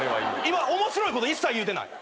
今面白いこと一切言うてない。